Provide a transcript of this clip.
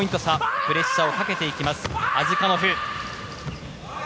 プレッシャーをかけていきます